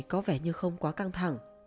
có vẻ như không quá căng thẳng